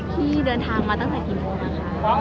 ที่เดินทางมาตั้งแต่กี่โมงนะคะ